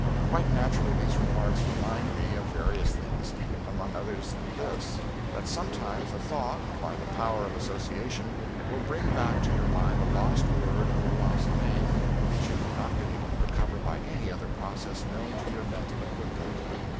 Quite naturally these remarks remind me of various things, among others this: that sometimes a thought, by the power of association, will bring back to your mind a lost word or a lost name which you have not been able to recover by any other process known to your mental equipment.